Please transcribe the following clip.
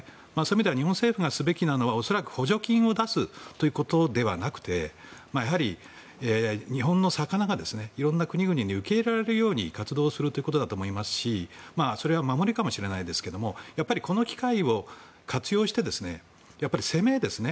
そういう意味では日本政府がすべきなのは恐らく補助金を出すということではなくて日本の魚が色々な国に受け入れられるように活動することだと思いますがそれは守りかもしれないですがこの機会を活用して攻めですね